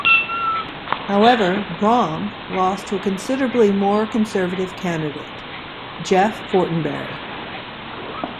However, Bromm lost to a considerably more conservative candidate, Jeff Fortenberry.